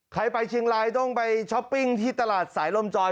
ใครไปเชียงรายต้องไปช้อปปิ้งที่ตลาดสายลมจอย